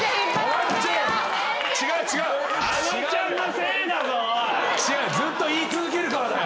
違うずっと言い続けるからだよ。